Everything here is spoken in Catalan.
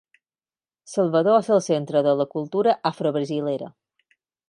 Salvador és el centre de la cultura afro-brasilera.